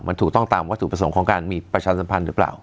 มันถูกต้องตามวัตถุประสงค์ของการมีประชาสัมพันธ์หรือเปล่า